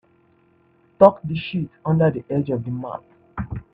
Tuck the sheet under the edge of the mat.